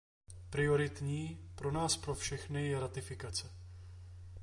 Prioritní pro nás pro všechny je ratifikace.